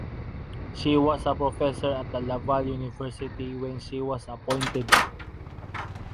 She was a professor at Laval University when she was appointed.